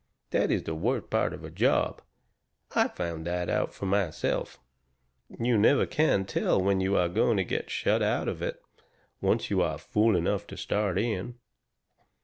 That is the worst part of a job I found that out myself you never can tell when you are going to get shut of it, once you are fool enough to start in.